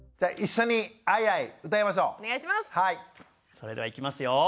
それではいきますよ。